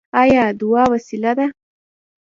آیا دعا وسله ده؟